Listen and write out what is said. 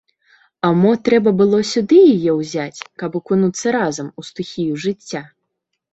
А мо трэба было сюды яе ўзяць, каб акунуцца разам у стыхію жыцця?